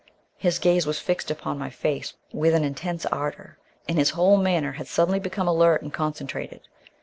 His gaze was fixed upon my face with an intense ardour, and his whole manner had suddenly become alert and concentrated.